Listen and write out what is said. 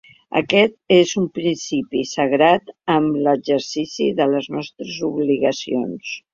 Aquest és un principi sagrat en l’exercici de les nostres obligacions.